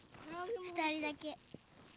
２人だけ。